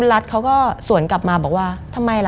มันกลายเป็นรูปของคนที่กำลังขโมยคิ้วแล้วก็ร้องไห้อยู่